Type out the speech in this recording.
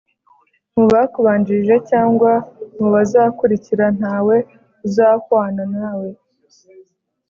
mu bakubanjirije cyangwa mu bazakurikira ntawe uzahwana nawe.